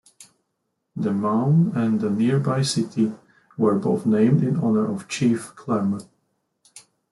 The mound and the nearby city were both named in honor of Chief Clermont.